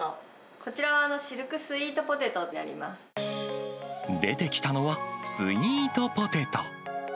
こちらはシルクスイートポテ出てきたのは、スイートポテト。